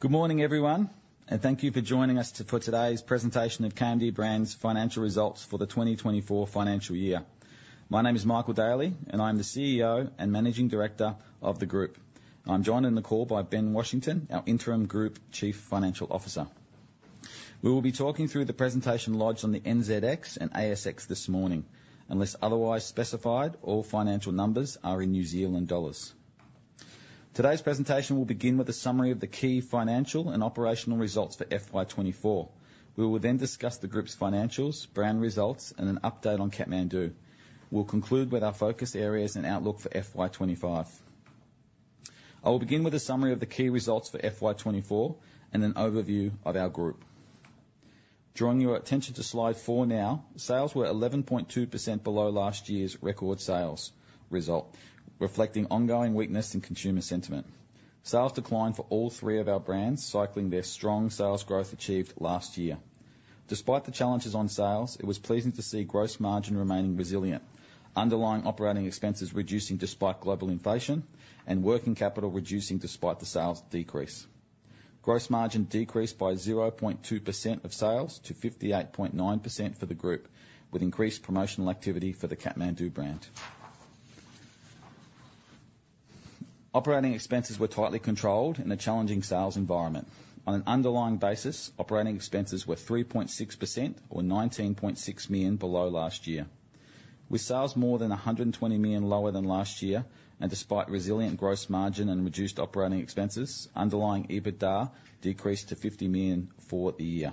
Good morning, everyone, and thank you for joining us for today's presentation of KMD Brands' financial results for the 2024 financial year. My name is Michael Daly, and I'm the CEO and Managing Director of the Group. I'm joined on the call by Ben Washington, our Interim Group Chief Financial Officer. We will be talking through the presentation lodged on the NZX and ASX this morning. Unless otherwise specified, all financial numbers are in New Zealand dollars. Today's presentation will begin with a summary of the key financial and operational results for FY 2024. We will then discuss the Group's financials, brand results, and an update on Kathmandu. We'll conclude with our focus areas and outlook for FY 2025. I will begin with a summary of the key results for FY 2024 and an overview of our Group. Drawing your attention to Slide 4 now, sales were 11.2% below last year's record sales result, reflecting ongoing weakness in consumer sentiment. Sales declined for all three of our brands, cycling their strong sales growth achieved last year. Despite the challenges on sales, it was pleasing to see gross margin remaining resilient, underlying operating expenses reducing despite global inflation, and working capital reducing despite the sales decrease. Gross margin decreased by 0.2% of sales to 58.9% for the Group, with increased promotional activity for the Kathmandu brand. Operating expenses were tightly controlled in a challenging sales environment. On an underlying basis, operating expenses were 3.6% or 19.6 million below last year. With sales more than 120 million lower than last year, and despite resilient gross margin and reduced operating expenses, underlying EBITDA decreased to 50 million for the year.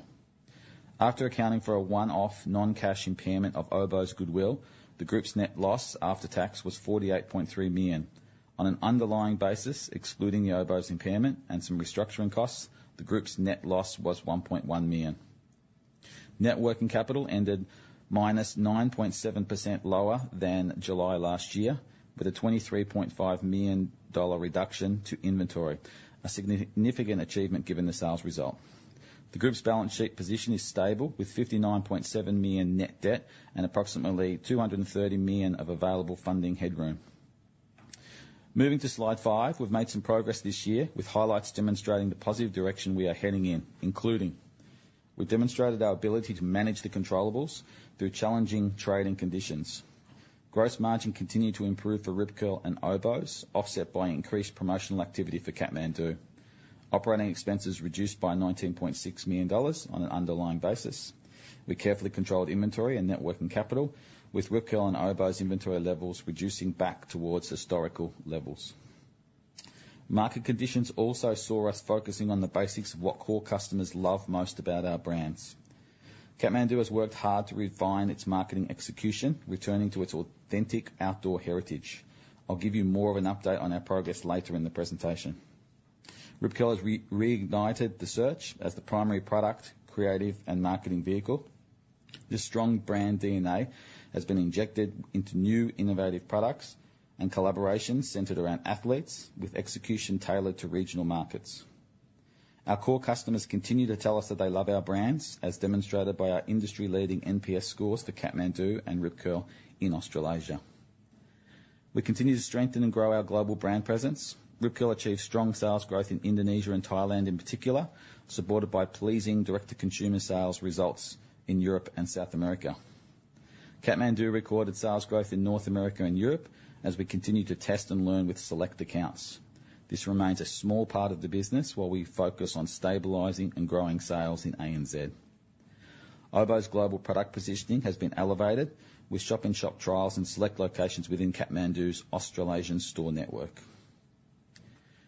After accounting for a one-off non-cash impairment of Oboz goodwill, the Group's net loss after tax was 48.3 million. On an underlying basis, excluding the Oboz impairment and some restructuring costs, the Group's net loss was 1.1 million. Net working capital ended -9.7% lower than July last year, with a 23.5 million dollar reduction to inventory, a significant achievement given the sales result. The Group's balance sheet position is stable, with 59.7 million net debt and approximately 230 million of available funding headroom. Moving to Slide 5, we've made some progress this year, with highlights demonstrating the positive direction we are heading in, including: We've demonstrated our ability to manage the controllables through challenging trading conditions. Gross margin continued to improve for Rip Curl and Oboz, offset by increased promotional activity for Kathmandu. Operating expenses reduced by 19.6 million dollars on an underlying basis. We carefully controlled inventory and net working capital, with Rip Curl and Oboz inventory levels reducing back towards historical levels. Market conditions also saw us focusing on the basics of what core customers love most about our brands. Kathmandu has worked hard to refine its marketing execution, returning to its authentic outdoor heritage. I'll give you more of an update on our progress later in the presentation. Rip Curl has reignited the surf as the primary product, creative, and marketing vehicle. This strong brand DNA has been injected into new, innovative products and collaborations centered around athletes, with execution tailored to regional markets. Our core customers continue to tell us that they love our brands, as demonstrated by our industry-leading NPS scores for Kathmandu and Rip Curl in Australasia. We continue to strengthen and grow our global brand presence. Rip Curl achieved strong sales growth in Indonesia and Thailand in particular, supported by pleasing direct-to-consumer sales results in Europe and South America. Kathmandu recorded sales growth in North America and Europe as we continue to test and learn with select accounts. This remains a small part of the business, while we focus on stabilizing and growing sales in ANZ. Oboz's global product positioning has been elevated, with shop-in-shop trials in select locations within Kathmandu's Australasian store network.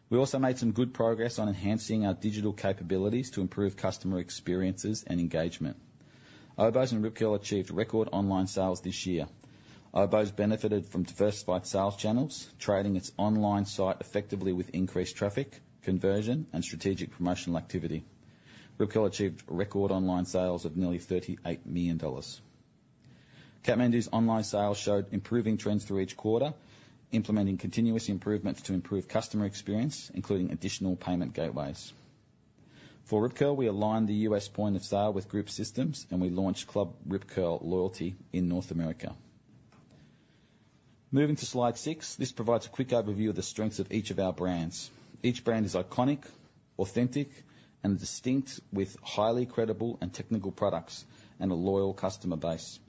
We also made some good progress on enhancing our digital capabilities to improve customer experiences and engagement. Oboz and Rip Curl achieved record online sales this year. Oboz benefited from diversified sales channels, trading its online site effectively with increased traffic, conversion, and strategic promotional activity. Rip Curl achieved record online sales of nearly 38 million dollars. Kathmandu's online sales showed improving trends through each quarter, implementing continuous improvements to improve customer experience, including additional payment gateways. For Rip Curl, we aligned the U.S. point of sale with group systems, and we launched Club Rip Curl loyalty in North America. Moving to Slide 6, this provides a quick overview of the strengths of each of our brands. Each brand is iconic, authentic, and distinct, with highly credible and technical products and a loyal customer base.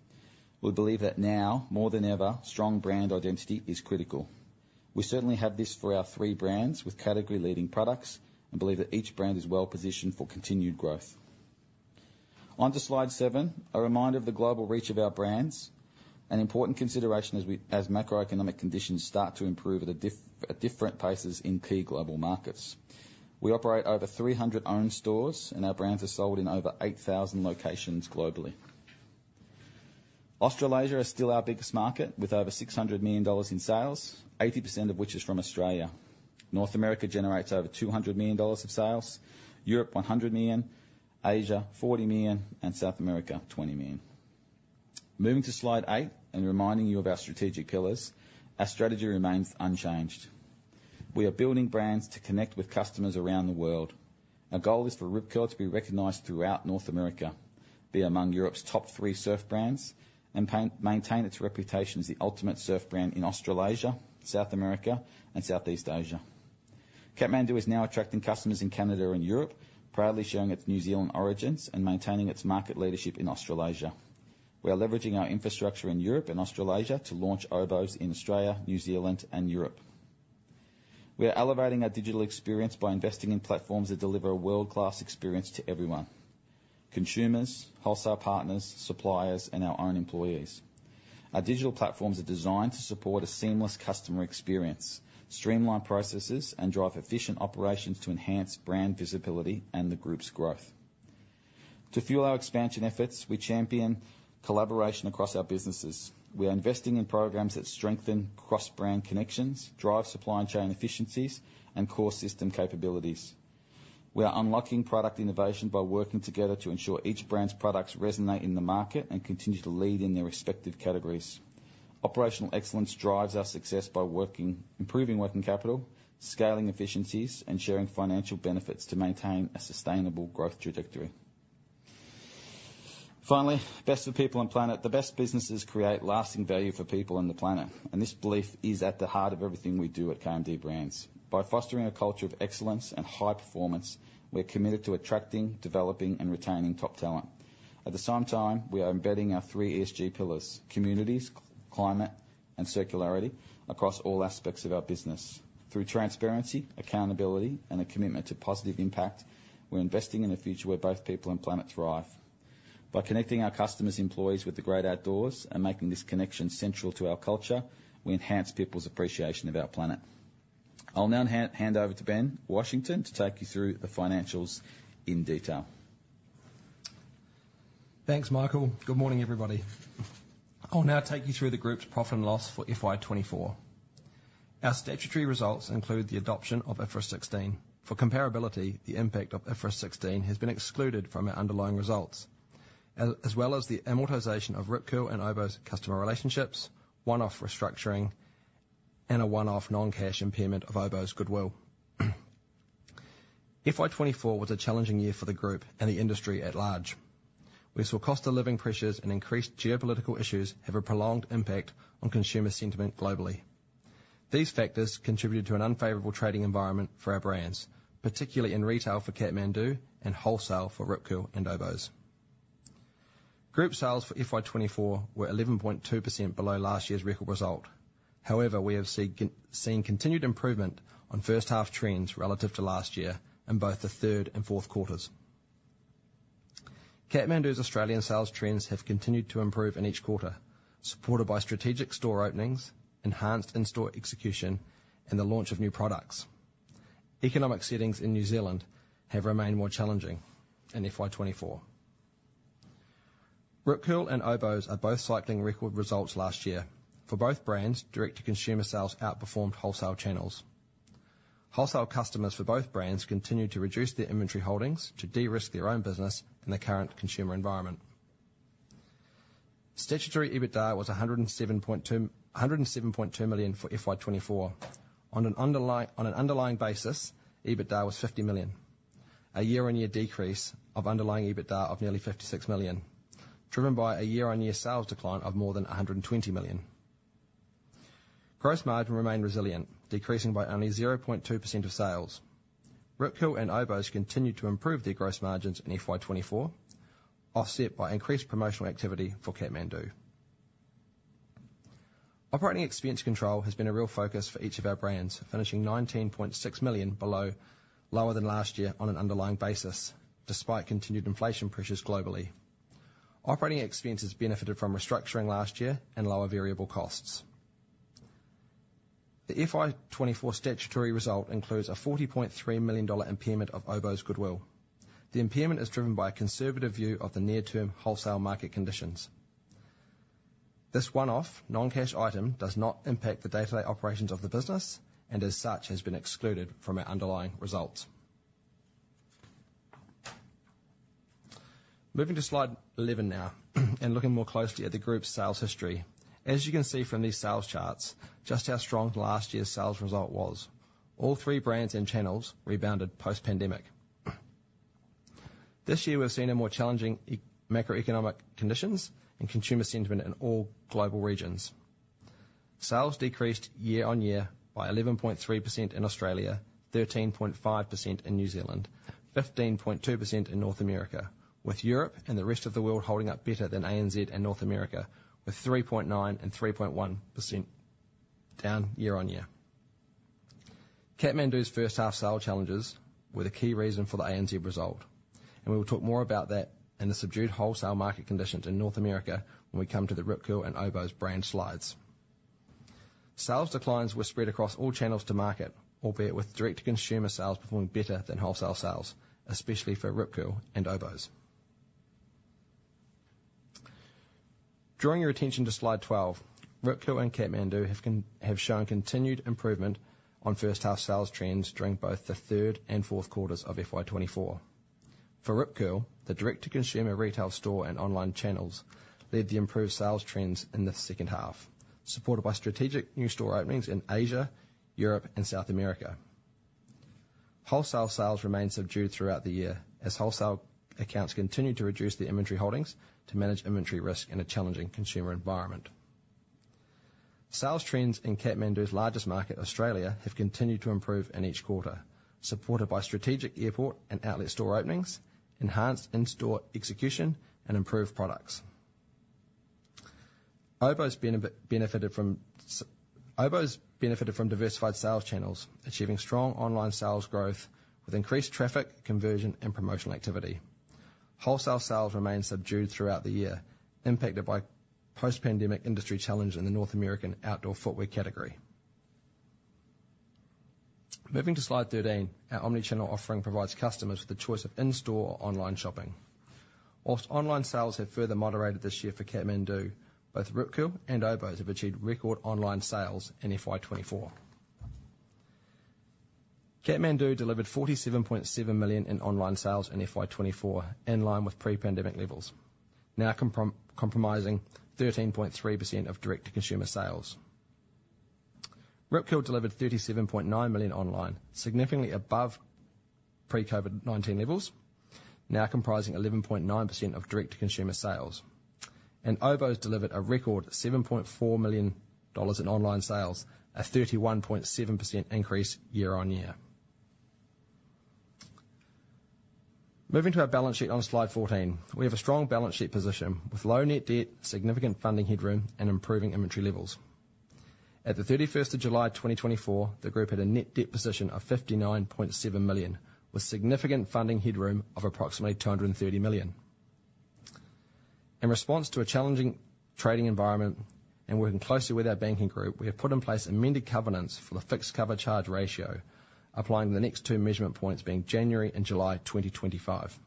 We believe that now, more than ever, strong brand identity is critical. We certainly have this for our three brands with category-leading products and believe that each brand is well positioned for continued growth. On to Slide 7, a reminder of the global reach of our brands, an important consideration as macroeconomic conditions start to improve at different paces in key global markets. We operate over 300 owned stores, and our brands are sold in over 8,000 locations globally. Australasia is still our biggest market, with over 600 million dollars in sales, 80% of which is from Australia. North America generates over 200 million dollars of sales, Europe, 100 million, Asia, 40 million, and South America, 20 million. Moving to Slide 8 and reminding you of our strategic pillars, our strategy remains unchanged. We are building brands to connect with customers around the world. Our goal is for Rip Curl to be recognized throughout North America, be among Europe's top three surf brands, and maintain its reputation as the ultimate surf brand in Australasia, South America, and Southeast Asia. Kathmandu is now attracting customers in Canada and Europe, proudly showing its New Zealand origins and maintaining its market leadership in Australasia. We are leveraging our infrastructure in Europe and Australasia to launch Oboz in Australia, New Zealand, and Europe. We are elevating our digital experience by investing in platforms that deliver a world-class experience to everyone, consumers, wholesale partners, suppliers, and our own employees. Our digital platforms are designed to support a seamless customer experience, streamline processes, and drive efficient operations to enhance brand visibility and the Group's growth. To fuel our expansion efforts, we champion collaboration across our businesses. We are investing in programs that strengthen cross-brand connections, drive supply chain efficiencies, and core system capabilities. We are unlocking product innovation by working together to ensure each brand's products resonate in the market and continue to lead in their respective categories. Operational excellence drives our success by improving working capital, scaling efficiencies, and sharing financial benefits to maintain a sustainable growth trajectory. Finally, best for people and planet. The best businesses create lasting value for people and the planet, and this belief is at the heart of everything we do at KMD Brands. By fostering a culture of excellence and high performance, we're committed to attracting, developing and retaining top talent. At the same time, we are embedding our three ESG pillars, Communities, Climate, and Circularity, across all aspects of our business. Through transparency, accountability, and a commitment to positive impact, we're investing in a future where both people and planet thrive. By connecting our customers' employees with the great outdoors and making this connection central to our culture, we enhance people's appreciation of our planet. I'll now hand over to Ben Washington to take you through the financials in detail. Thanks, Michael. Good morning, everybody. I'll now take you through the Group's profit and loss for FY 2024. Our statutory results include the adoption of IFRS 16. For comparability, the impact of IFRS 16 has been excluded from our underlying results, as well as the amortization of Rip Curl and Oboz customer relationships, one-off restructuring, and a one-off non-cash impairment of Oboz's goodwill. FY 2024 was a challenging year for the Group and the industry at large. We saw cost of living pressures and increased geopolitical issues have a prolonged impact on consumer sentiment globally. These factors contributed to an unfavorable trading environment for our brands, particularly in retail for Kathmandu and wholesale for Rip Curl and Oboz. Group sales for FY 2024 were 11.2% below last year's record result. However, we have seen continued improvement on first half trends relative to last year in both the third and fourth quarters. Kathmandu's Australian sales trends have continued to improve in each quarter, supported by strategic store openings, enhanced in-store execution, and the launch of new products. Economic settings in New Zealand have remained more challenging in FY 2024. Rip Curl and Oboz are both cycling record results last year. For both brands, direct-to-consumer sales outperformed wholesale channels. Wholesale customers for both brands continued to reduce their inventory holdings to de-risk their own business in the current consumer environment. Statutory EBITDA was 107.2 million for FY 2024. On an underlying basis, EBITDA was 50 million, a year-on-year decrease of underlying EBITDA of nearly 56 million, driven by a year-on-year sales decline of more than 120 million. Gross margin remained resilient, decreasing by only 0.2% of sales. Rip Curl and Oboz continued to improve their gross margins in FY 2024, offset by increased promotional activity for Kathmandu. Operating expense control has been a real focus for each of our brands, finishing 19.6 million lower than last year on an underlying basis, despite continued inflation pressures globally. Operating expenses benefited from restructuring last year and lower variable costs. The FY 2024 statutory result includes a 40.3 million dollar impairment of Oboz goodwill. The impairment is driven by a conservative view of the near-term wholesale market conditions. This one-off, non-cash item does not impact the day-to-day operations of the business, and as such, has been excluded from our underlying results. Moving to Slide 11 now, and looking more closely at the Group's sales history. As you can see from these sales charts, just how strong last year's sales result was. All three brands and channels rebounded post-pandemic. This year, we've seen a more challenging macroeconomic conditions and consumer sentiment in all global regions. Sales decreased year-on-year by 11.3% in Australia, 13.5% in New Zealand, 15.2% in North America, with Europe and the rest of the world holding up better than ANZ and North America, with 3.9% and 3.1% down year on year. Kathmandu's first half sales challenges were the key reason for the ANZ result, and we will talk more about that in the subdued wholesale market conditions in North America when we come to the Rip Curl and Oboz brand slides. Sales declines were spread across all channels to market, albeit with direct-to-consumer sales performing better than wholesale sales, especially for Rip Curl and Oboz. Drawing your attention to Slide 12, Rip Curl and Kathmandu have shown continued improvement on first half sales trends during both the third and fourth quarters of FY 2024. For Rip Curl, the direct-to-consumer retail store and online channels led the improved sales trends in the second half, supported by strategic new store openings in Asia, Europe, and South America. Wholesale sales remained subdued throughout the year, as wholesale accounts continued to reduce their inventory holdings to manage inventory risk in a challenging consumer environment. Sales trends in Kathmandu's largest market, Australia, have continued to improve in each quarter, supported by strategic airport and outlet store openings, enhanced in-store execution, and improved products. Oboz benefited from diversified sales channels, achieving strong online sales growth with increased traffic, conversion, and promotional activity. Wholesale sales remained subdued throughout the year, impacted by post-pandemic industry challenge in the North America outdoor footwear category. Moving to Slide 13, our omni-channel offering provides customers with the choice of in-store or online shopping. While online sales have further moderated this year for Kathmandu, both Rip Curl and Oboz have achieved record online sales in FY 2024. Kathmandu delivered 47.7 million in online sales in FY 2024, in line with pre-pandemic levels, now compromising 13.3% of direct-to-consumer sales. Rip Curl delivered 37.9 million online, significantly above pre-COVID-19 levels, now comprising 11.9% of direct-to-consumer sales. Oboz delivered a record 7.4 million dollars in online sales, a 31.7% increase year on year. Moving to our balance sheet on Slide 14. We have a strong balance sheet position, with low net debt, significant funding headroom, and improving inventory levels. At the 31st of July 2024, the Group had a net debt position of 59.7 million, with significant funding headroom of approximately 230 million. In response to a challenging trading environment and working closely with our banking group, we have put in place amended covenants for the fixed cover charge ratio, applying the next two measurement points, being January and July 2025.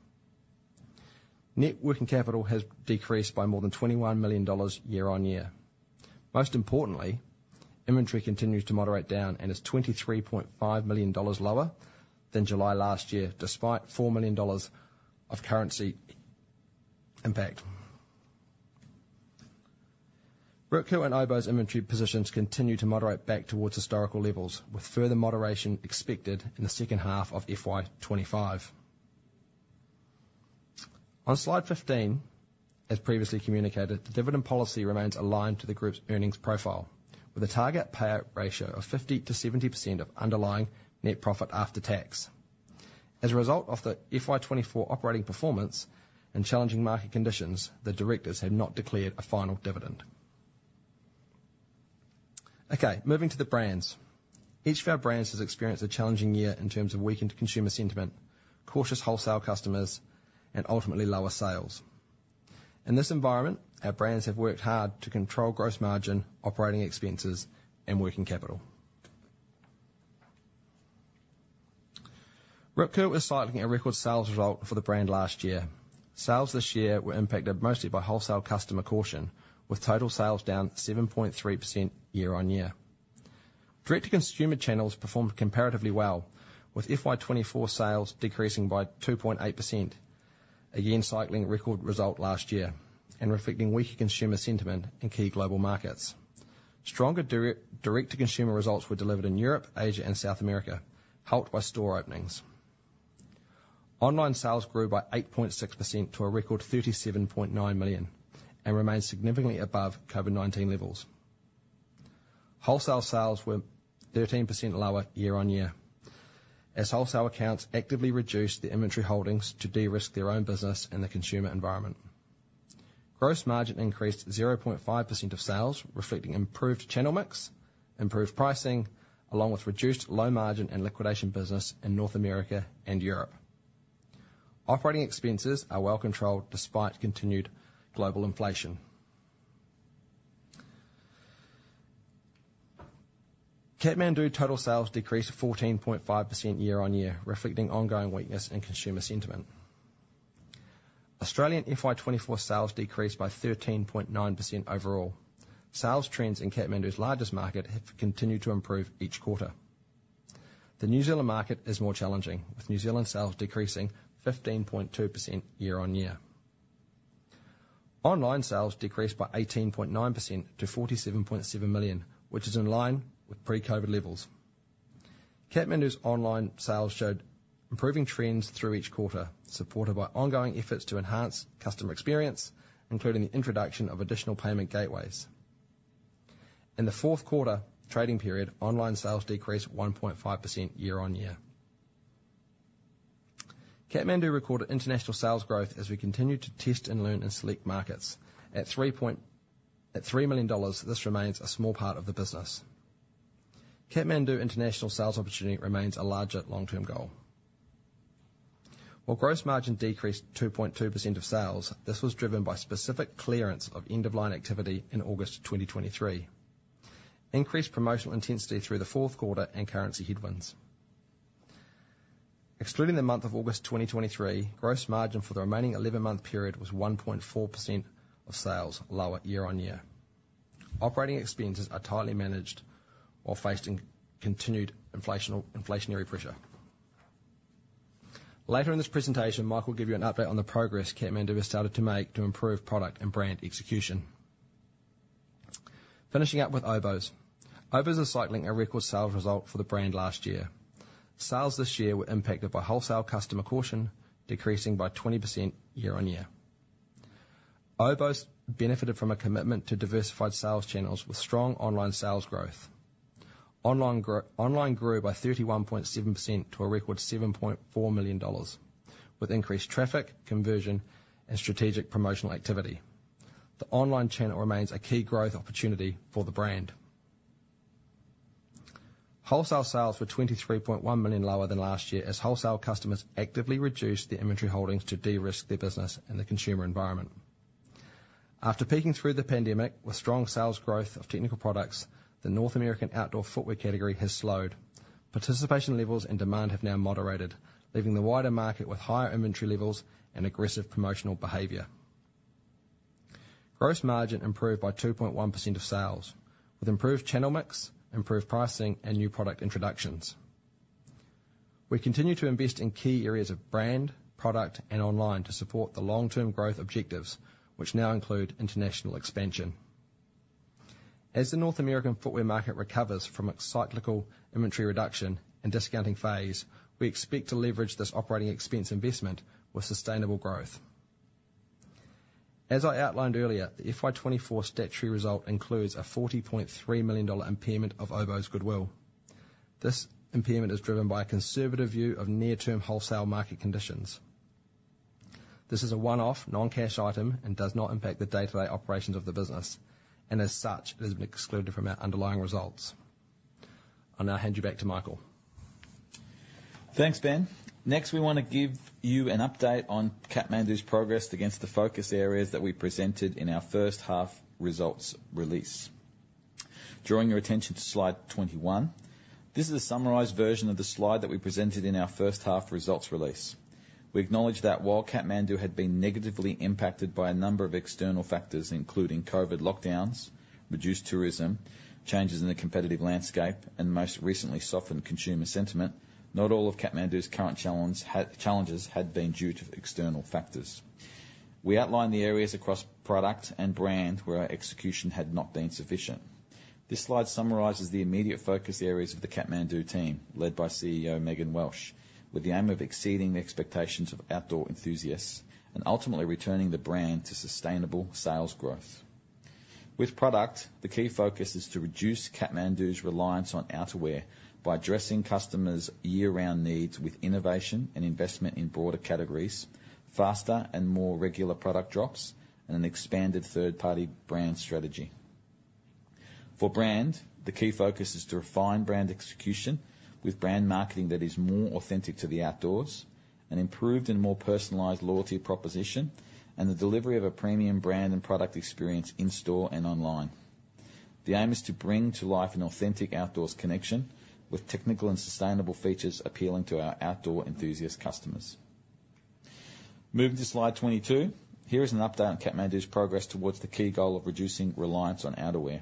Net working capital has decreased by more than 21 million dollars year on year. Most importantly, inventory continues to moderate down and is 23.5 million dollars lower than July last year, despite 4 million dollars of currency impact. Rip Curl and Oboz inventory positions continue to moderate back towards historical levels, with further moderation expected in the second half of FY 2025. On Slide 15, as previously communicated, the dividend policy remains aligned to the Group's earnings profile, with a target payout ratio of 50%-70% of underlying net profit after tax. As a result of the FY 2024 operating performance and challenging market conditions, the directors have not declared a final dividend. Okay, moving to the brands. Each of our brands has experienced a challenging year in terms of weakened consumer sentiment, cautious wholesale customers, and ultimately, lower sales. In this environment, our brands have worked hard to control gross margin, operating expenses, and working capital. Rip Curl is cycling a record sales result for the brand last year. Sales this year were impacted mostly by wholesale customer caution, with total sales down 7.3% year on year. Direct-to-consumer channels performed comparatively well, with FY 2024 sales decreasing by 2.8%, again, cycling a record result last year and reflecting weaker consumer sentiment in key global markets. Stronger direct-to-consumer results were delivered in Europe, Asia, and South America, helped by store openings. Online sales grew by 8.6% to a record 37.9 million and remain significantly above COVID-19 levels. Wholesale sales were 13% lower year on year, as wholesale accounts actively reduced the inventory holdings to de-risk their own business in the consumer environment. Gross margin increased 0.5% of sales, reflecting improved channel mix, improved pricing, along with reduced low margin and liquidation business in North America and Europe. Operating expenses are well controlled despite continued global inflation. Kathmandu total sales decreased 14.5% year on year, reflecting ongoing weakness in consumer sentiment. Australian FY 2024 sales decreased by 13.9% overall. Sales trends in Kathmandu's largest market have continued to improve each quarter. The New Zealand market is more challenging, with New Zealand sales decreasing 15.2% year on year. Online sales decreased by 18.9% to 47.7 million, which is in line with pre-COVID levels. Kathmandu's online sales showed improving trends through each quarter, supported by ongoing efforts to enhance customer experience, including the introduction of additional payment gateways. In the fourth quarter trading period, online sales decreased 1.5% year on year. Kathmandu recorded international sales growth as we continued to test and learn in select markets. At 3 million dollars, this remains a small part of the business. Kathmandu international sales opportunity remains a larger long-term goal. While gross margin decreased 2.2% of sales, this was driven by specific clearance of end-of-line activity in August 2023, increased promotional intensity through the fourth quarter, and currency headwinds. Excluding the month of August 2023, gross margin for the remaining eleven-month period was 1.4% of sales, lower year on year. Operating expenses are tightly managed while facing continued inflationary pressure. Later in this presentation, Mike will give you an update on the progress Kathmandu has started to make to improve product and brand execution, finishing up with Oboz. Oboz is cycling a record sales result for the brand last year. Sales this year were impacted by wholesale customer caution, decreasing by 20% year-on-year. Oboz benefited from a commitment to diversified sales channels with strong online sales growth. Online grew by 31.7% to a record 7.4 million dollars, with increased traffic, conversion, and strategic promotional activity. The online channel remains a key growth opportunity for the brand. Wholesale sales were 23.1 million lower than last year, as wholesale customers actively reduced their inventory holdings to de-risk their business in the consumer environment. After peaking through the pandemic with strong sales growth of technical products, the North American outdoor footwear category has slowed. Participation levels and demand have now moderated, leaving the wider market with higher inventory levels and aggressive promotional behavior. Gross margin improved by 2.1% of sales, with improved channel mix, improved pricing, and new product introductions. We continue to invest in key areas of brand, product, and online to support the long-term growth objectives, which now include international expansion. As the North American footwear market recovers from its cyclical inventory reduction and discounting phase, we expect to leverage this operating expense investment with sustainable growth. As I outlined earlier, the FY 2024 statutory result includes a 40.3 million dollar impairment of Oboz goodwill. This impairment is driven by a conservative view of near-term wholesale market conditions. This is a one-off, non-cash item and does not impact the day-to-day operations of the business, and as such, it has been excluded from our underlying results. I'll now hand you back to Michael. Thanks, Ben. Next, we want to give you an update on Kathmandu's progress against the focus areas that we presented in our first half results release. Drawing your attention to Slide 21, this is a summarized version of the slide that we presented in our first half results release. We acknowledge that while Kathmandu had been negatively impacted by a number of external factors, including COVID lockdowns, reduced tourism, changes in the competitive landscape, and most recently, softened consumer sentiment, not all of Kathmandu's current challenges had been due to external factors. We outlined the areas across product and brand where our execution had not been sufficient. This slide summarizes the immediate focus areas of the Kathmandu team, led by CEO Megan Welch, with the aim of exceeding the expectations of outdoor enthusiasts and ultimately returning the brand to sustainable sales growth. With product, the key focus is to reduce Kathmandu's reliance on outerwear by addressing customers' year-round needs with innovation and investment in broader categories, faster and more regular product drops, and an expanded third-party brand strategy. For brand, the key focus is to refine brand execution with brand marketing that is more authentic to the outdoors, an improved and more personalized loyalty proposition, and the delivery of a premium brand and product experience in-store and online. The aim is to bring to life an authentic outdoors connection with technical and sustainable features appealing to our outdoor enthusiast customers. Moving to Slide 22, here is an update on Kathmandu's progress towards the key goal of reducing reliance on outerwear.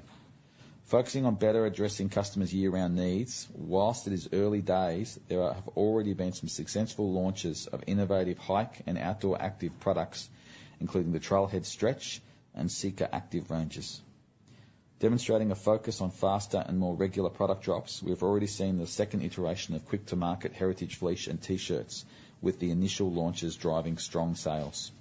Focusing on better addressing customers' year-round needs, while it is early days, there have already been some successful launches of innovative hike and outdoor active products, including the Trailhead Stretch and Seeker Active ranges. Demonstrating a focus on faster and more regular product drops, we've already seen the second iteration of quick-to-market Heritage Fleece and T-shirts, with the initial launches driving strong sales.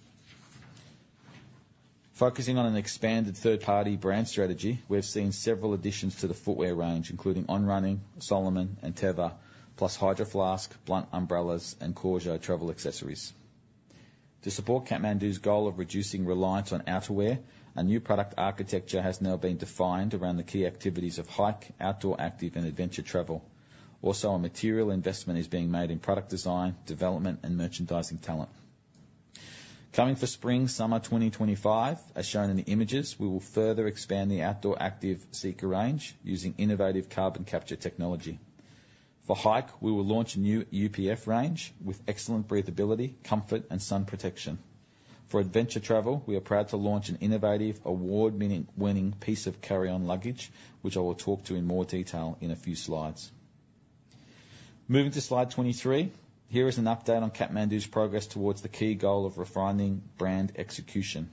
Focusing on an expanded third-party brand strategy, we've seen several additions to the footwear range, including On Running, Salomon, and Teva, plus Hydro Flask, BLUNT umbrellas, and Korjo travel accessories. To support Kathmandu's goal of reducing reliance on outerwear, a new product architecture has now been defined around the key activities of hike, outdoor active, and adventure travel. Also, a material investment is being made in product design, development, and merchandising talent. Coming for spring/summer 2025, as shown in the images, we will further expand the outdoor active Seeker range using innovative carbon capture technology. For hike, we will launch a new UPF range with excellent breathability, comfort, and sun protection. For adventure travel, we are proud to launch an innovative, award-winning piece of carry-on luggage, which I will talk to in more detail in a few slides. Moving to Slide 23, here is an update on Kathmandu's progress towards the key goal of refining brand execution.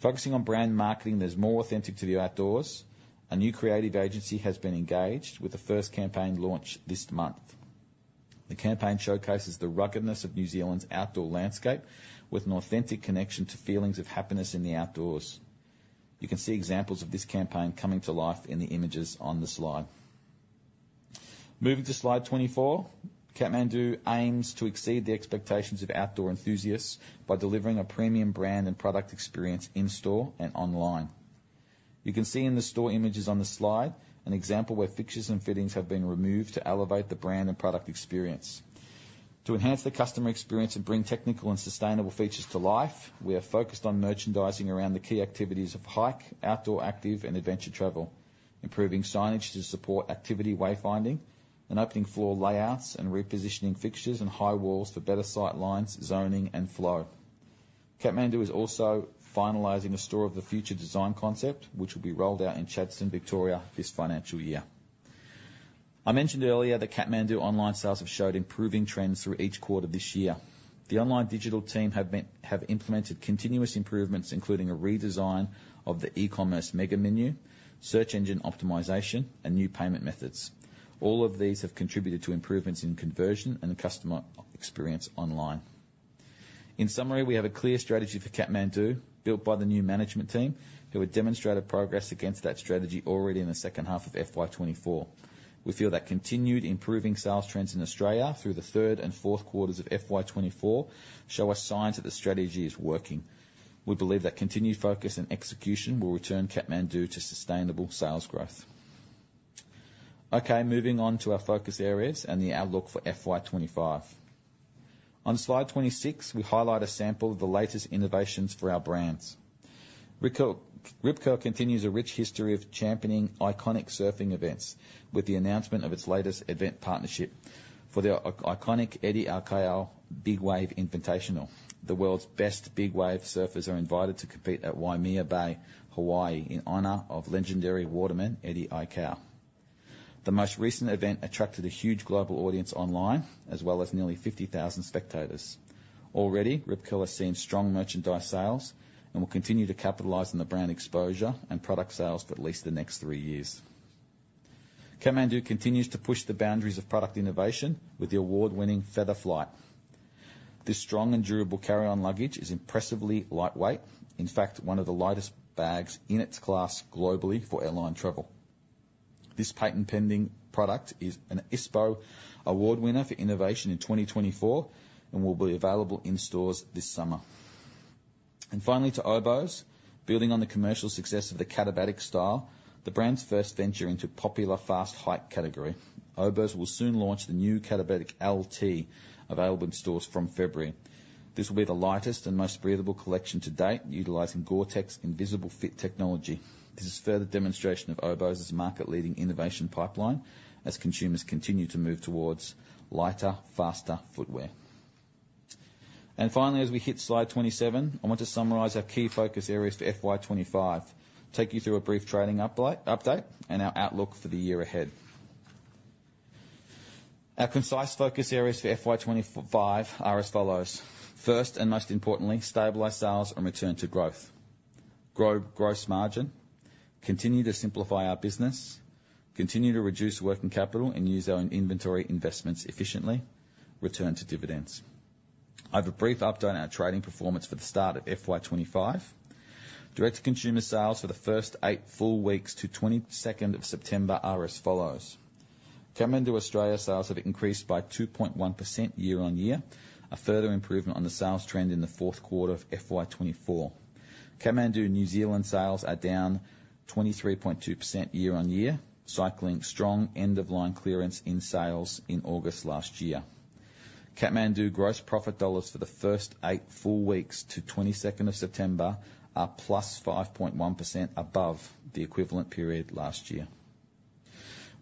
Focusing on brand marketing that's more authentic to the outdoors, a new creative agency has been engaged with the first campaign launch this month. The campaign showcases the ruggedness of New Zealand's outdoor landscape with an authentic connection to feelings of happiness in the outdoors. You can see examples of this campaign coming to life in the images on the slide. Moving to Slide 24, Kathmandu aims to exceed the expectations of outdoor enthusiasts by delivering a premium brand and product experience in-store and online. You can see in the store images on the slide an example where fixtures and fittings have been removed to elevate the brand and product experience. To enhance the customer experience and bring technical and sustainable features to life, we are focused on merchandising around the key activities of hike, outdoor active, and adventure travel, improving signage to support activity wayfinding, and opening floor layouts and repositioning fixtures and high walls for better sight lines, zoning, and flow. Kathmandu is also finalizing a store of the future design concept, which will be rolled out in Chadstone, Victoria, this financial year. I mentioned earlier that Kathmandu online sales have showed improving trends through each quarter this year. The online digital team have implemented continuous improvements, including a redesign of the e-commerce mega menu, search engine optimization, and new payment methods. All of these have contributed to improvements in conversion and the customer experience online. In summary, we have a clear strategy for Kathmandu, built by the new management team, who have demonstrated progress against that strategy already in the second half of FY 2024. We feel that continued improving sales trends in Australia through the third and fourth quarters of FY 2024 show us signs that the strategy is working. We believe that continued focus and execution will return Kathmandu to sustainable sales growth. Okay, moving on to our focus areas and the outlook for FY 2025. On Slide 26, we highlight a sample of the latest innovations for our brands. Rip Curl continues a rich history of championing iconic surfing events with the announcement of its latest event partnership for the iconic Eddie Aikau Big Wave Invitational. The world's best big wave surfers are invited to compete at Waimea Bay, Hawaii, in honor of legendary waterman, Eddie Aikau. The most recent event attracted a huge global audience online, as well as nearly 50,000 spectators. Already, Rip Curl has seen strong merchandise sales and will continue to capitalize on the brand exposure and product sales for at least the next three years. Kathmandu continues to push the boundaries of product innovation with the award-winning Feather Flight. This strong and durable carry-on luggage is impressively lightweight. In fact, one of the lightest bags in its class globally for airline travel. This patent-pending product is an ISPO award winner for innovation in 2024 and will be available in stores this summer. And finally, to Oboz. Building on the commercial success of the Katabatic style, the brand's first venture into popular fast hike category. Oboz will soon launch the new Katabatic LT, available in stores from February. This will be the lightest and most breathable collection to date, utilizing GORE-TEX Invisible Fit technology. This is further demonstration of Oboz's market-leading innovation pipeline as consumers continue to move towards lighter, faster footwear. And finally, as we hit Slide 27, I want to summarize our key focus areas for FY 2025, take you through a brief trading update, and our outlook for the year ahead. Our concise focus areas for FY 2025 are as follows: First, and most importantly, stabilize sales and return to growth. Grow gross margin. Continue to simplify our business. Continue to reduce working capital and use our inventory investments efficiently. Return to dividends. I have a brief update on our trading performance for the start of FY 2025. Direct-to-consumer sales for the first eight full weeks to 22nd of September are as follows: Kathmandu Australia sales have increased by 2.1% year on year, a further improvement on the sales trend in the fourth quarter of FY 2024. Kathmandu New Zealand sales are down 23.2% year on year, cycling strong end-of-line clearance in sales in August last year. Kathmandu gross profit dollars for the first eight full weeks to 22nd of September are +5.1% above the equivalent period last year.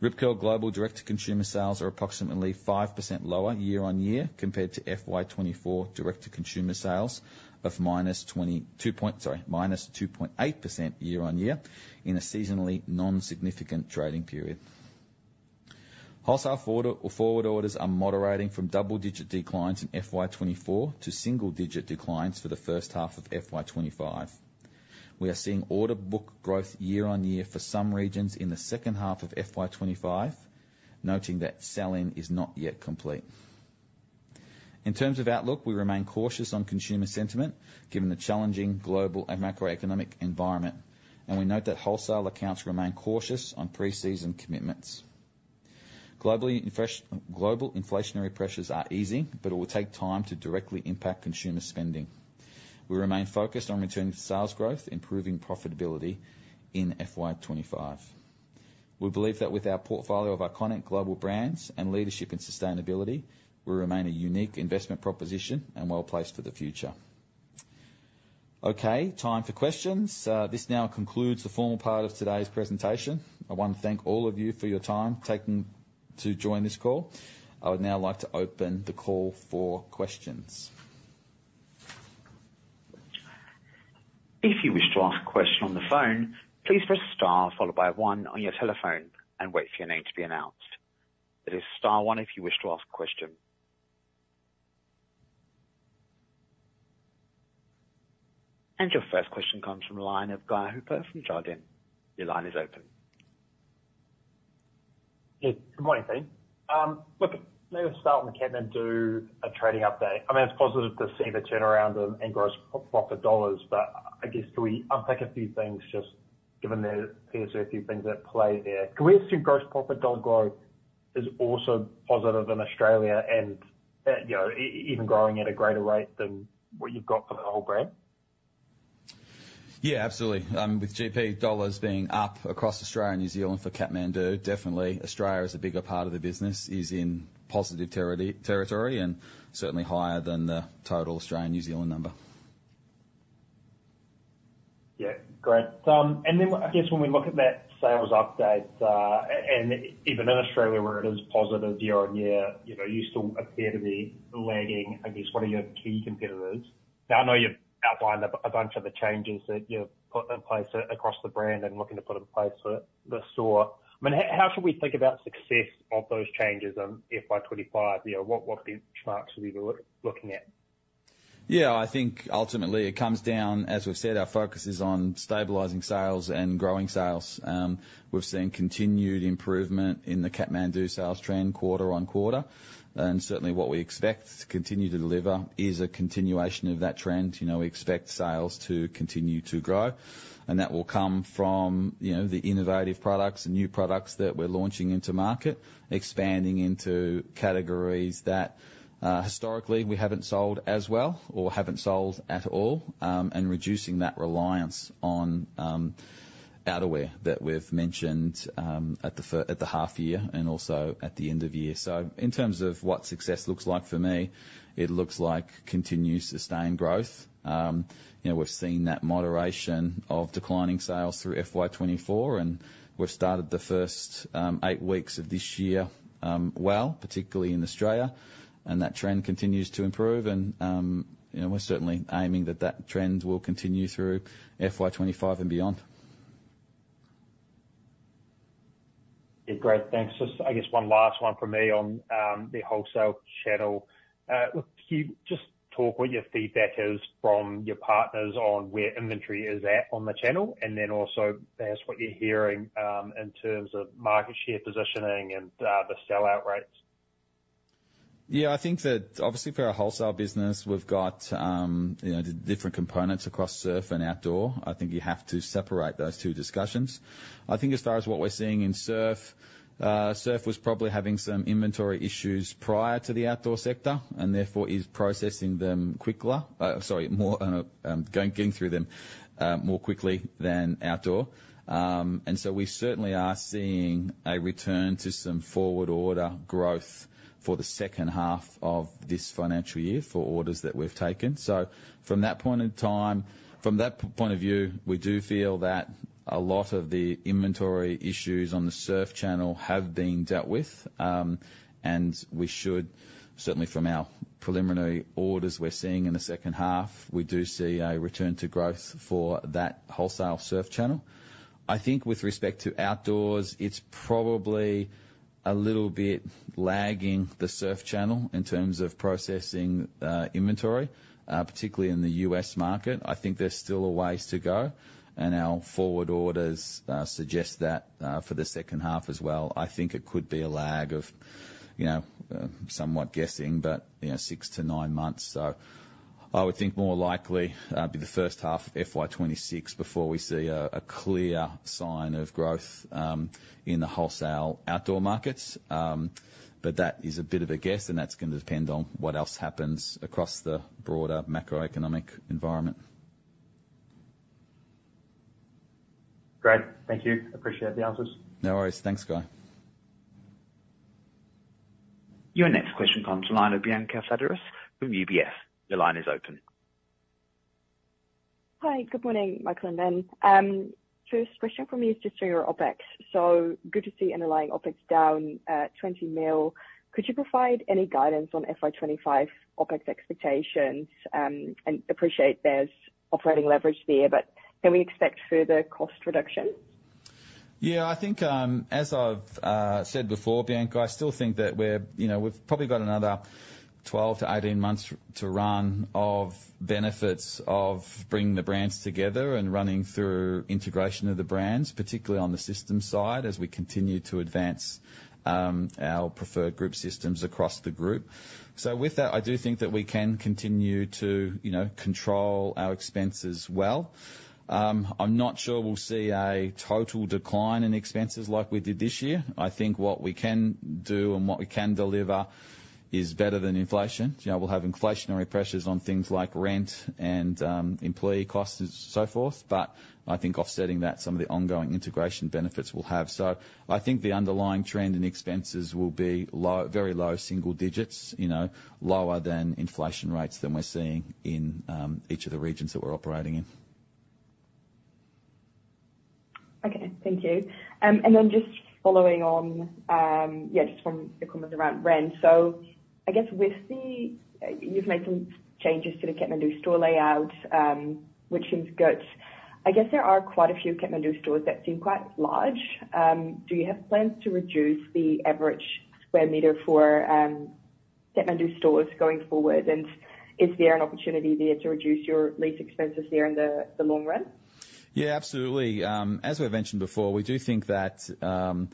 Rip Curl global direct-to-consumer sales are approximately 5% lower year on year compared to FY 2024 direct-to-consumer sales of -22 point. Sorry, -2.8% year on year in a seasonally non-significant trading period. Wholesale forward orders are moderating from double-digit declines in FY 2024 to single-digit declines for the first half of FY 2025. We are seeing order book growth year on year for some regions in the second half of FY 2025, noting that sell-in is not yet complete. In terms of outlook, we remain cautious on consumer sentiment, given the challenging global and macroeconomic environment, and we note that wholesale accounts remain cautious on pre-season commitments. Globally, inflationary pressures are easing, but it will take time to directly impact consumer spending. We remain focused on returning to sales growth, improving profitability in FY 2025. We believe that with our portfolio of iconic global brands and leadership in sustainability, we remain a unique investment proposition and well placed for the future. Okay, time for questions. This now concludes the formal part of today's presentation. I want to thank all of you for your time taking to join this call. I would now like to open the call for questions. If you wish to ask a question on the phone, please press star followed by one on your telephone and wait for your name to be announced. It is star one if you wish to ask a question. And your first question comes from the line of Guy Hooper from Jarden. Your line is open. Yeah, good morning, team. Look, maybe start on the Kathmandu trading update. I mean, it's positive to see the turnaround in gross profit dollars, but I guess, can we unpack a few things, just given there appears to be a few things at play there? Can we assume gross profit dollar growth is also positive in Australia and, you know, even growing at a greater rate than what you've got for the whole brand? Yeah, absolutely. With GP dollars being up across Australia and New Zealand for Kathmandu, definitely Australia is a bigger part of the business, is in positive territory, and certainly higher than the total Australian-New Zealand number. Yeah. Great. And then I guess when we look at that sales update, and even in Australia, where it is positive year-on-year, you know, you still appear to be lagging, I guess, one of your key competitors. Now, I know you've outlined a bunch of the changes that you've put in place across the brand and looking to put in place for the store. I mean, how should we think about success of those changes in FY 2025? You know, what, what benchmarks should we be looking at? Yeah, I think ultimately it comes down, as we've said, our focus is on stabilizing sales and growing sales. We've seen continued improvement in the Kathmandu sales trend quarter on quarter, and certainly what we expect to continue to deliver is a continuation of that trend. You know, we expect sales to continue to grow, and that will come from, you know, the innovative products and new products that we're launching into market, expanding into categories that historically, we haven't sold as well or haven't sold at all, and reducing that reliance on outerwear that we've mentioned at the half year and also at the end of year. So in terms of what success looks like for me, it looks like continued, sustained growth. You know, we've seen that moderation of declining sales through FY 2024, and we've started the first eight weeks of this year, well, particularly in Australia, and that trend continues to improve, and you know, we're certainly aiming that that trend will continue through FY 2025 and beyond. Yeah, great. Thanks. Just, I guess, one last one for me on the wholesale channel. Can you just talk what your feedback is from your partners on where inventory is at on the channel, and then also, perhaps, what you're hearing in terms of market share positioning and the sell-out rates? Yeah, I think that obviously for our wholesale business, we've got, you know, the different components across surf and outdoor. I think you have to separate those two discussions. I think as far as what we're seeing in surf, surf was probably having some inventory issues prior to the outdoor sector, and therefore is processing them quicker. More quickly than outdoor. And so we certainly are seeing a return to some forward order growth for the second half of this financial year for orders that we've taken. So from that point in time, from that point of view, we do feel that a lot of the inventory issues on the surf channel have been dealt with. And we should, certainly from our preliminary orders we're seeing in the second half, we do see a return to growth for that wholesale surf channel. I think with respect to outdoors, it's probably a little bit lagging the surf channel in terms of processing inventory, particularly in the U.S. market. I think there's still a ways to go, and our forward orders suggest that for the second half as well. I think it could be a lag of, you know, somewhat guessing, but, you know, six to nine months. So I would think more likely be the first half of FY 2026 before we see a clear sign of growth in the wholesale outdoor markets. But that is a bit of a guess, and that's gonna depend on what else happens across the broader macroeconomic environment. Great. Thank you. Appreciate the answers. No worries. Thanks, Guy. Your next question comes from the line of Bianca Fledderus from UBS. Your line is open. Hi, good morning, Michael and Ben. First question for me is just on your OpEx, so good to see underlying OpEx down 20 million. Could you provide any guidance on FY 2025 OpEx expectations? And appreciate there's operating leverage there, but can we expect further cost reductions? Yeah, I think, as I've said before, Bianca, I still think that we're, you know, we've probably got another 12-18 months to run of benefits of bringing the brands together and running through integration of the brands, particularly on the systems side, as we continue to advance our preferred group systems across the Group. So with that, I do think that we can continue to, you know, control our expenses well. I'm not sure we'll see a total decline in expenses like we did this year. I think what we can do and what we can deliver is better than inflation. You know, we'll have inflationary pressures on things like rent and employee costs and so forth, but I think offsetting that, some of the ongoing integration benefits we'll have. So I think the underlying trend in expenses will be very low single digits, you know, lower than inflation rates we're seeing in each of the regions that we're operating in. Okay. Thank you. And then just following on, just from the comments around rent. So I guess. You've made some changes to the Kathmandu store layout, which seems good. I guess there are quite a few Kathmandu stores that seem quite large. Do you have plans to reduce the average square meter for Kathmandu stores going forward? And is there an opportunity there to reduce your lease expenses there in the long run? Yeah, absolutely. As we've mentioned before, we do think that, you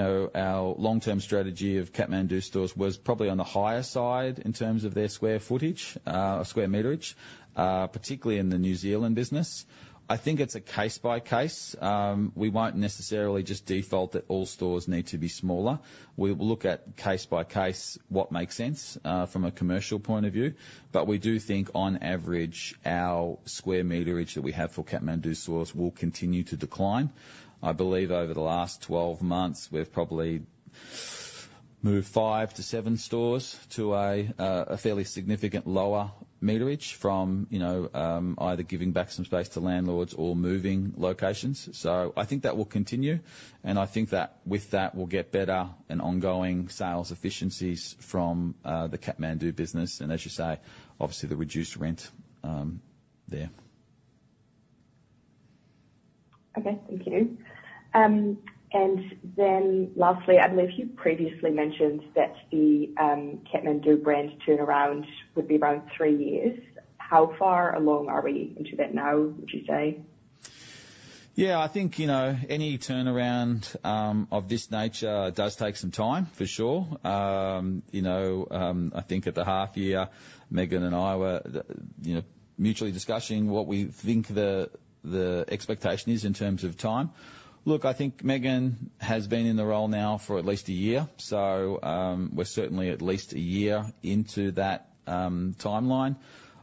know, our long-term strategy of Kathmandu stores was probably on the higher side in terms of their square footage, square meterage, particularly in the New Zealand business. I think it's a case by case. We won't necessarily just default that all stores need to be smaller. We'll look at case by case what makes sense, from a commercial point of view. But we do think, on average, our square meterage that we have for Kathmandu stores will continue to decline. I believe over the last twelve months, we've probably moved five to seven stores to a, a fairly significant lower meterage from, you know, either giving back some space to landlords or moving locations. So I think that will continue, and I think that with that, we'll get better and ongoing sales efficiencies from the Kathmandu business, and as you say, obviously the reduced rent there. Okay, thank you. And then lastly, I believe you previously mentioned that the Kathmandu brand turnaround would be around three years. How far along are we into that now, would you say? Yeah, I think, you know, any turnaround of this nature does take some time, for sure. You know, I think at the half year, Megan and I were, you know, mutually discussing what we think the expectation is in terms of time. Look, I think Megan has been in the role now for at least a year, so, we're certainly at least a year into that, timeline.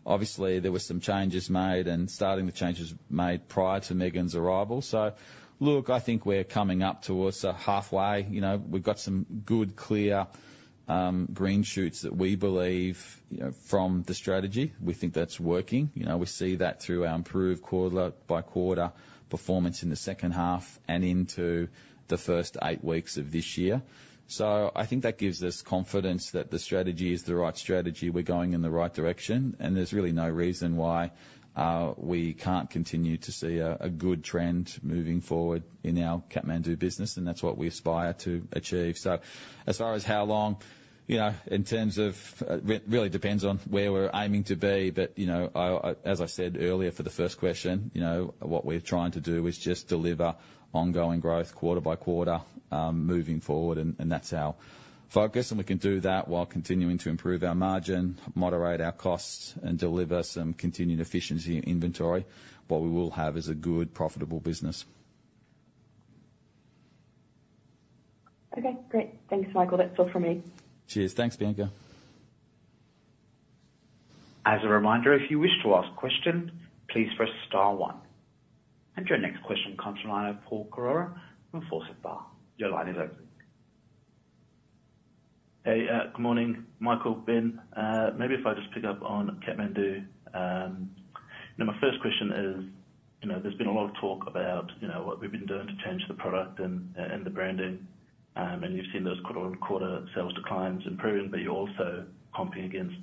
Obviously, there were some changes made and starting with changes made prior to Megan's arrival. So look, I think we're coming up towards, halfway. You know, we've got some good, clear, green shoots that we believe, you know, from the strategy, we think that's working. You know, we see that through our improved quarter-by-quarter performance in the second half and into the first eight weeks of this year. So I think that gives us confidence that the strategy is the right strategy. We're going in the right direction, and there's really no reason why we can't continue to see a good trend moving forward in our Kathmandu business, and that's what we aspire to achieve. So as far as how long, you know, in terms of, really depends on where we're aiming to be. But, you know, I as I said earlier, for the first question, you know, what we're trying to do is just deliver ongoing growth quarter by quarter, moving forward, and that's our focus. And we can do that while continuing to improve our margin, moderate our costs, and deliver some continued efficiency in inventory. What we will have is a good, profitable business. Okay, great. Thanks, Michael. That's all from me. Cheers. Thanks, Bianca. As a reminder, if you wish to ask a question, please press star one. And your next question comes from the line of Paul Koraua from Forsyth Barr. Your line is open. Hey, good morning, Michael, Ben. Maybe if I just pick up on Kathmandu. Now, my first question is, you know, there's been a lot of talk about, you know, what we've been doing to change the product and the branding. And you've seen those quarter-on-quarter sales declines improving, but you're also comping against,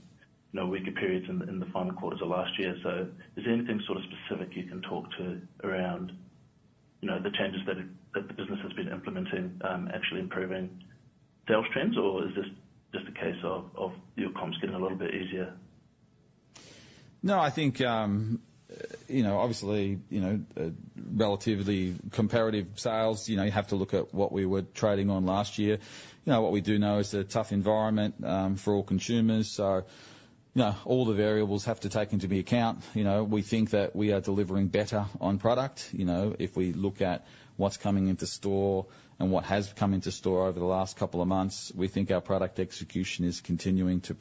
you know, weaker periods in the final quarters of last year. So is there anything sort of specific you can talk to around, you know, the changes that the business has been implementing, actually improving sales trends? Or is this just a case of your comps getting a little bit easier? No, I think, you know, obviously, you know, relatively comparative sales, you know, you have to look at what we were trading on last year. You know, what we do know is it's a tough environment for all consumers, so, you know, all the variables have to take into the account. You know, we think that we are delivering better on product. You know, if we look at what's coming into store and what has come into store over the last couple of months, we think our product execution is continuing to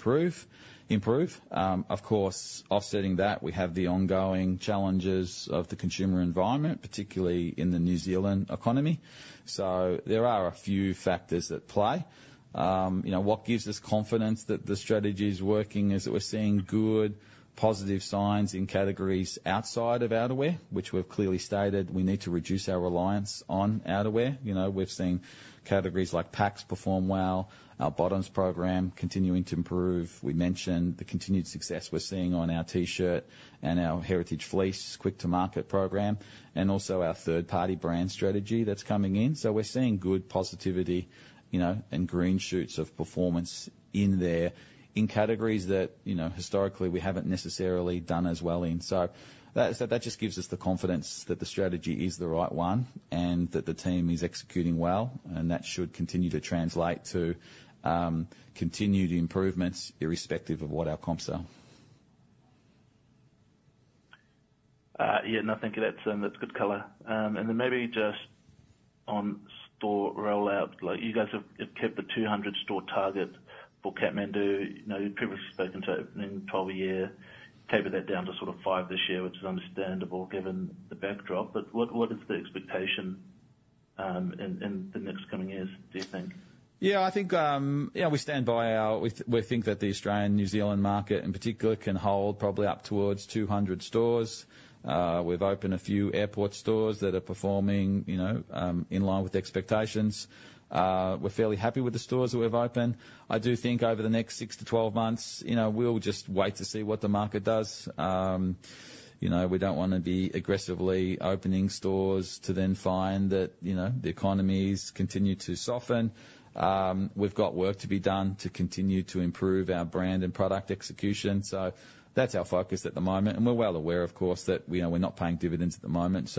improve. Of course, offsetting that, we have the ongoing challenges of the consumer environment, particularly in the New Zealand economy. So there are a few factors at play. You know, what gives us confidence that the strategy is working is that we're seeing good, positive signs in categories outside of outerwear, which we've clearly stated we need to reduce our reliance on outerwear. You know, we've seen categories like packs perform well, our bottoms program continuing to improve. We mentioned the continued success we're seeing on our T-shirt and our Heritage Fleece quick-to-market program, and also our third-party brand strategy that's coming in. So we're seeing good positivity, you know, and green shoots of performance in there in categories that, you know, historically, we haven't necessarily done as well in. So that just gives us the confidence that the strategy is the right one and that the team is executing well, and that should continue to translate to continued improvements, irrespective of what our comps are. Yeah, no, thank you. That's, that's good color. And then maybe just on store rollout, like you guys have kept the two hundred store target for Kathmandu. You know, you've previously spoken to opening 12 a year, tapered that down to sort of five this year, which is understandable given the backdrop. But what is the expectation, in the next coming years, do you think? Yeah, I think, yeah, we stand by our. We think that the Australian, New Zealand market in particular, can hold probably up towards 2,000 stores. We've opened a few airport stores that are performing, you know, in line with expectations. We're fairly happy with the stores that we've opened. I do think over the next six to twelve months, you know, we'll just wait to see what the market does. You know, we don't want to be aggressively opening stores to then find that, you know, the economies continue to soften. We've got work to be done to continue to improve our brand and product execution, so that's our focus at the moment, and we're well aware, of course, that, you know, we're not paying dividends at the moment.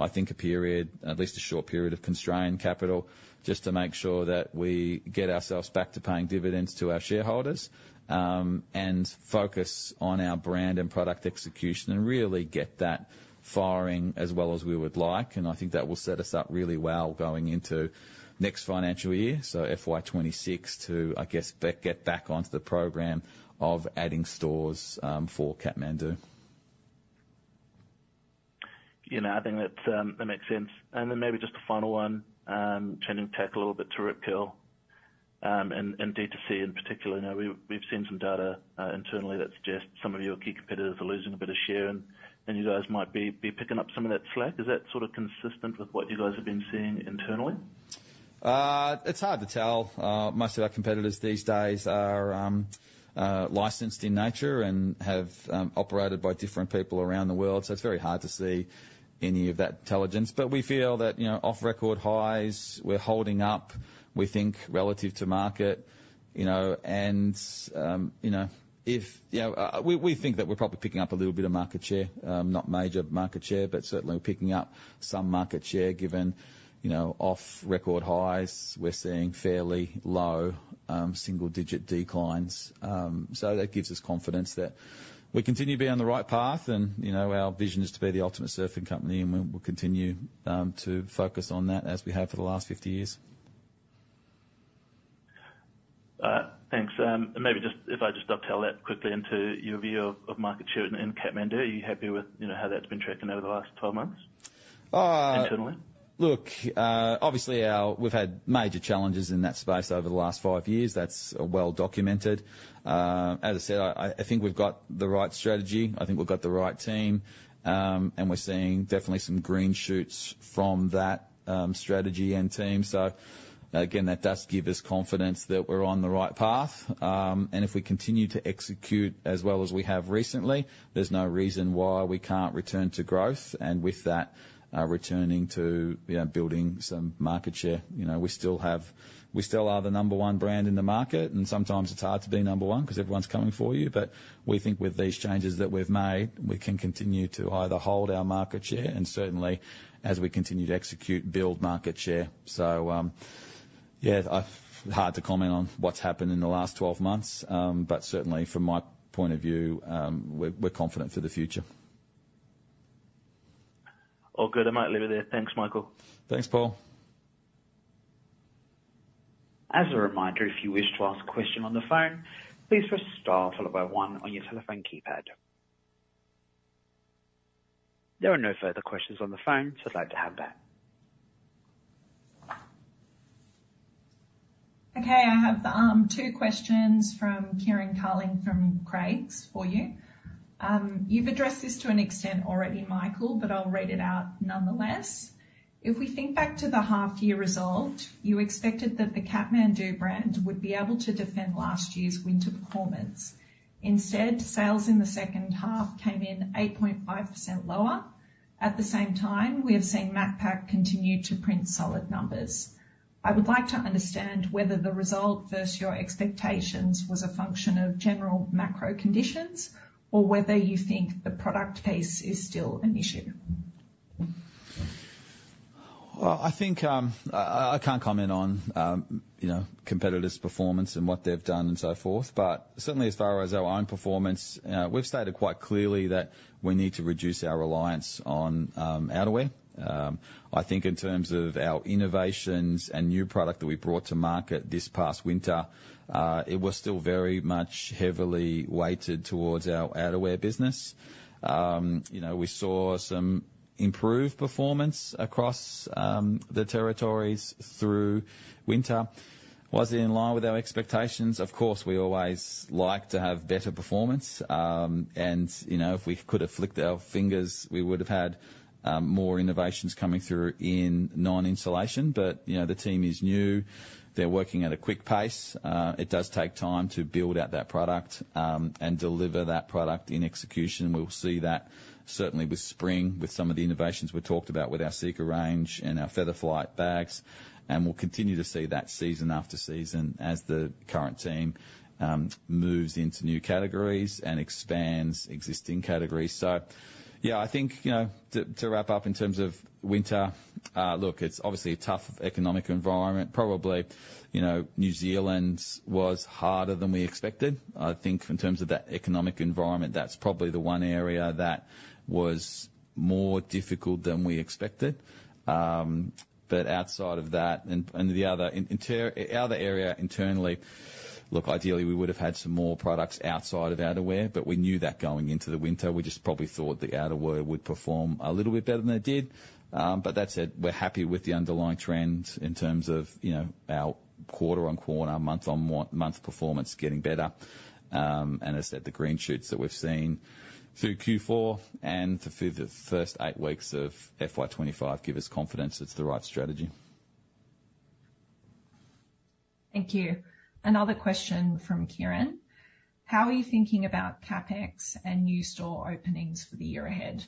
I think a period, at least a short period, of constrained capital, just to make sure that we get ourselves back to paying dividends to our shareholders, and focus on our brand and product execution and really get that firing as well as we would like. I think that will set us up really well going into next financial year, so FY 2026, to, I guess, get back onto the program of adding stores, for Kathmandu. You know, I think that makes sense. And then maybe just a final one, changing tack a little bit to Rip Curl, and D2C in particular. You know, we've seen some data internally that suggests some of your key competitors are losing a bit of share, and you guys might be picking up some of that slack. Is that sort of consistent with what you guys have been seeing internally? It's hard to tell. Most of our competitors these days are licensed in nature and have operated by different people around the world, so it's very hard to see any of that intelligence. But we feel that, you know, off record highs, we're holding up, we think, relative to market, you know. And you know, we think that we're probably picking up a little bit of market share, not major market share, but certainly we're picking up some market share given, you know, off record highs. We're seeing fairly low single-digit declines. So that gives us confidence that we continue to be on the right path. And, you know, our vision is to be the ultimate surfing company, and we'll continue to focus on that as we have for the last fifty years. Thanks. And maybe just if I just dovetail that quickly into your view of market share in Kathmandu, are you happy with, you know, how that's been tracking over the last twelve months internally? Look, obviously, we've had major challenges in that space over the last five years. That's well documented. As I said, I think we've got the right strategy. I think we've got the right team, and we're seeing definitely some green shoots from that strategy and team. So again, that does give us confidence that we're on the right path, and if we continue to execute as well as we have recently, there's no reason why we can't return to growth, and with that, returning to, you know, building some market share. You know, we still are the number one brand in the market, and sometimes it's hard to be number one, because everyone's coming for you. But we think with these changes that we've made, we can continue to either hold our market share, and certainly as we continue to execute, build market share. So, yeah, hard to comment on what's happened in the last 12 months, but certainly from my point of view, we're confident for the future. All good. I might leave it there. Thanks, Michael. Thanks, Paul. As a reminder, if you wish to ask a question on the phone, please press star followed by one on your telephone keypad. There are no further questions on the phone, so glad to have that. Okay, I have two questions from Kieran Carling, from Craigs for you. You've addressed this to an extent already, Michael, but I'll read it out nonetheless. If we think back to the half year result, you expected that the Kathmandu brand would be able to defend last year's winter performance. Instead, sales in the second half came in 8.5% lower. At the same time, we have seen Macpac continue to print solid numbers. I would like to understand whether the result versus your expectations was a function of general macro conditions, or whether you think the product pace is still an issue? I think, I can't comment on, you know, competitors' performance and what they've done and so forth. But certainly as far as our own performance, we've stated quite clearly that we need to reduce our reliance on outerwear. I think in terms of our innovations and new product that we brought to market this past winter, it was still very much heavily weighted towards our outerwear business. You know, we saw some improved performance across the territories through winter. Was it in line with our expectations? Of course, we always like to have better performance. And, you know, if we could have flicked our fingers, we would have had more innovations coming through in non-insulation. But, you know, the team is new. They're working at a quick pace. It does take time to build out that product, and deliver that product in execution. We'll see that certainly with spring, with some of the innovations we talked about with our Seeker range and our Feather Flight bags, and we'll continue to see that season after season as the current team moves into new categories and expands existing categories. So yeah, I think, you know, to wrap up in terms of winter, look, it's obviously a tough economic environment. Probably, you know, New Zealand was harder than we expected. I think in terms of that economic environment, that's probably the one area that was more difficult than we expected. But outside of that and the other area internally. Look, ideally, we would have had some more products outside of outerwear, but we knew that going into the winter. We just probably thought the outerwear would perform a little bit better than it did. But that said, we're happy with the underlying trends in terms of, you know, our quarter on quarter, month on month performance getting better. And as I said, the green shoots that we've seen through Q4 and through the first eight weeks of FY 2025 give us confidence it's the right strategy. Thank you. Another question from Kieran: How are you thinking about CapEx and new store openings for the year ahead?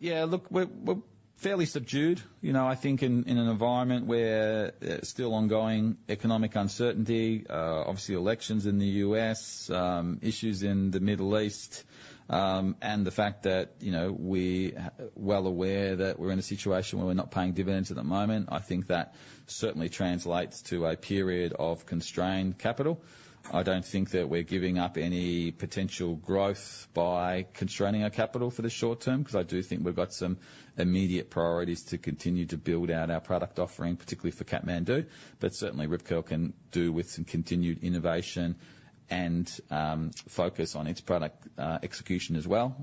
Yeah, look, we're fairly subdued. You know, I think in an environment where there's still ongoing economic uncertainty, obviously, elections in the U.S., issues in the Middle East, and the fact that, you know, we're well aware that we're in a situation where we're not paying dividends at the moment, I think that certainly translates to a period of constrained capital. I don't think that we're giving up any potential growth by constraining our capital for the short term, because I do think we've got some immediate priorities to continue to build out our product offering, particularly for Kathmandu. But certainly, Rip Curl can do with some continued innovation and focus on its product execution as well.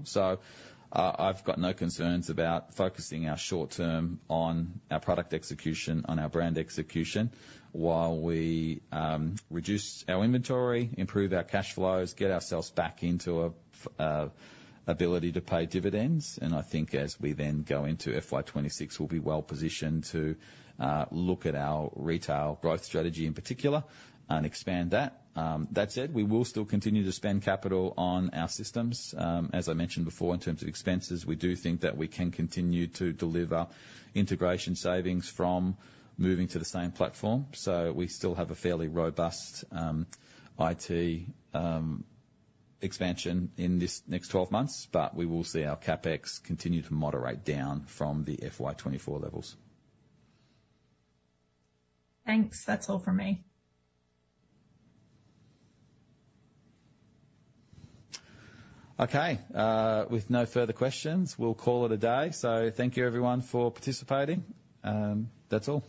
I've got no concerns about focusing our short term on our product execution, on our brand execution, while we reduce our inventory, improve our cash flows, get ourselves back into an ability to pay dividends. I think as we then go into FY 2026, we'll be well positioned to look at our retail growth strategy in particular and expand that. That said, we will still continue to spend capital on our systems. As I mentioned before, in terms of expenses, we do think that we can continue to deliver integration savings from moving to the same platform. We still have a fairly robust IT expansion in this next 12 months, but we will see our CapEx continue to moderate down from the FY 2024 levels. Thanks. That's all for me. Okay, with no further questions, we'll call it a day. So thank you, everyone, for participating. That's all.